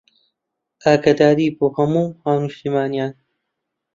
ئاگاداری بۆ هەموو هاونیشتمانیان